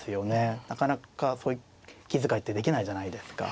なかなかそういった気遣いってできないじゃないですか。